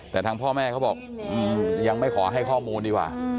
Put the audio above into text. แต่ทางพ่อแม่เขาบอกยังไม่ขอให้ข้อมูลดีกว่า